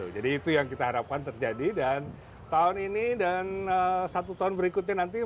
jadi itu yang kita harapkan terjadi dan tahun ini dan satu tahun berikutnya nanti